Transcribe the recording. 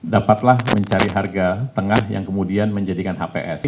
dapatlah mencari harga tengah yang kemudian menjadikan hps